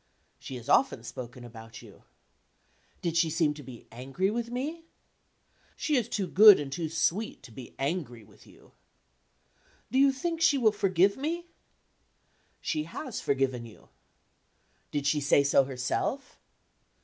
'She has often spoken about you.' 'Did she seem to be angry with me?' 'She is too good and too sweet to be angry with you.' 'Do you think she will forgive me?' 'She has forgiven you.' 'Did she say so herself?